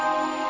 kita ke rumah